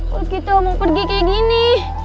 kok kita mau pergi kayak gini